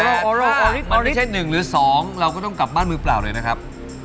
มันไม่ใช่๑หรือ๒เราก็ต้องกลับบ้านมือเปล่าเลยนะครับ